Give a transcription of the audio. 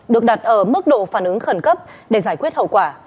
được đặt ở mức độ phản ứng khẩn cấp để giải quyết hậu quả